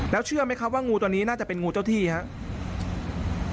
แล้วเชื่อไหมครับว่างูตัวนี้น่าจะเป็นงูเจ้าที่ครับ